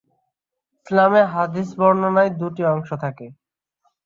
ইসলামে হাদিস বর্ণনায় দুটি অংশ থাকে।